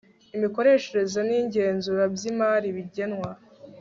imikoreshereze n igenzura by imari bigenwa